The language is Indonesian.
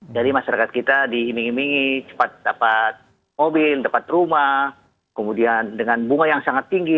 jadi masyarakat kita diiming imingi cepat dapat mobil dapat rumah kemudian dengan bunga yang sangat tinggi